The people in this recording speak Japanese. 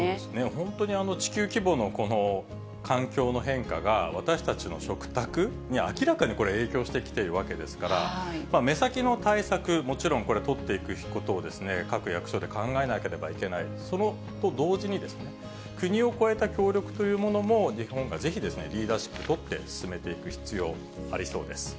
本当に地球規模の環境の変化が、私たちの食卓に明らかにこれ、影響してきているわけですから、目先の対策、もちろんこれ、取っていくことを各役所で考えなければいけない、それと同時に、国を超えた協力というものも日本がぜひリーダーシップ取って、進めていく必要、ありそうです。